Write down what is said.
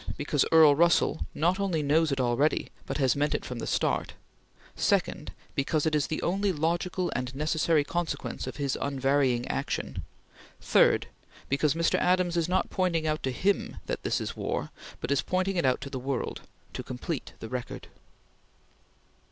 Because Earl Russell not only knows it already, but has meant it from the start. 2nd Because it is the only logical and necessary consequence of his unvarying action. 3d. Because Mr. Adams is not pointing out to him that 'this is war,' but is pointing it out to the world, to complete the record."